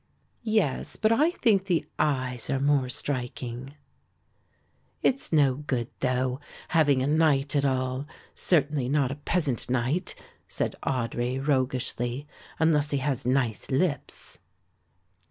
"Yes, but I think the eyes are more striking." "It's no good, though, having a knight at all, certainly not a peasant knight," said Audry roguishly, "unless he has nice lips."